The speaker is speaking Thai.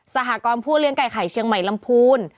หกรณ์ผู้เลี้ยงไก่ไข่เชียงใหม่ลำพูน